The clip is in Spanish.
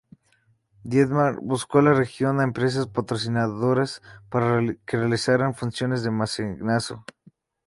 Dietmar buscó en la región a empresas patrocinadoras para que realizaran funciones de mecenazgo.